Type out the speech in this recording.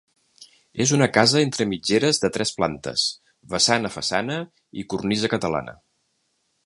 És una casa entre mitgeres de tres plantes, vessant a façana i cornisa catalana.